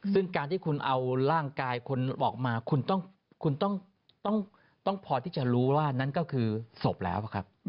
ซึ่งการที่คุณเอาร่างกายคุณออกมาคุณต้องพอที่จะรู้ว่านั่นก็คือศพแล้วครับ